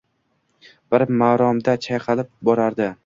Bir maromda chayqalib borardi.